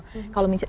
jadi kalau misalnya